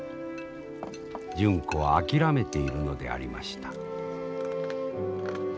純子は諦めているのでありました。